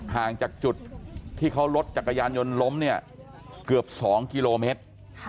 ห่างจากจุดที่เขารถจักรยานยนต์ล้มเนี่ยเกือบ๒กิโลเมตร